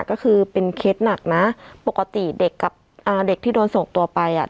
ก็คือเป็นเคสหนักนะปกติเด็กกับอ่าเด็กที่โดนส่งตัวไปอ่ะ